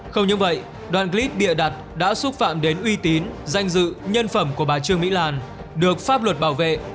không những vậy đoạn clip bịa đặt đã xúc phạm đến uy tín danh dự nhân phẩm của bà trương mỹ lan được pháp luật bảo vệ